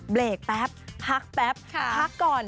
เบรกแป๊บพักแป๊บพักก่อน